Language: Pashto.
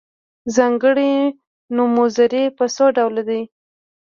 ځانګړي نومځري په څو ډوله دي.